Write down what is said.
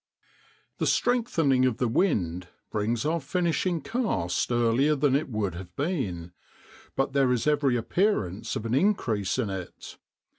The strengthening of the wind brings our finishing cast earlier than it would have been ; but there is every appearance of an increase of it.